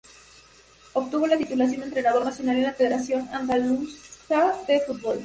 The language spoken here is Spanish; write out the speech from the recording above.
Obtuvo la titulación de Entrenador Nacional en la Federación Andaluza de Fútbol.